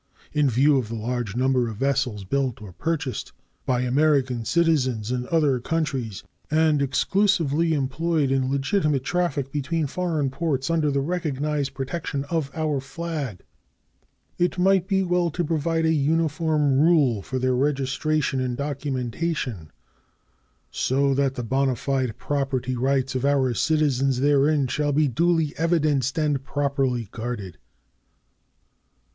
In view of the large number of vessels built or purchased by American citizens in other countries and exclusively employed in legitimate traffic between foreign ports under the recognized protection of our flag, it might be well to provide a uniform rule for their registration and documentation, so that the bona fide property rights of our citizens therein shall be duly evidenced and properly guarded.